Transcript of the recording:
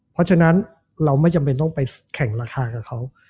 เพราะฉะนั้นเราไม่จำเป็นต้องไปแข่งราคากับเขา